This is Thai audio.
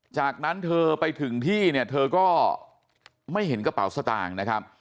จากนั้นเธอไปถึงที่เนี่ยเธอก็ไม่เห็นกระเป๋าสตางค์นะครับ